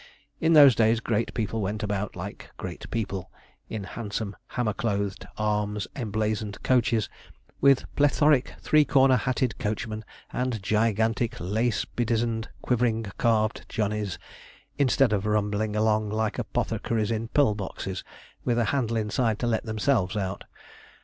In those days great people went about like great people, in handsome hammer clothed, arms emblazoned coaches, with plethoric three corner hatted coachmen, and gigantic, lace bedizened, quivering calved Johnnies, instead of rumbling along like apothecaries in pill boxes, with a handle inside to let themselves out.